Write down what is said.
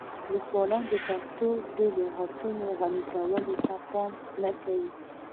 لیکوالان د پښتو د لغتونو غني کولو ته پام نه کوي.